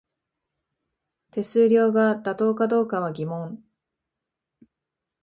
手数料が妥当かどうかは疑問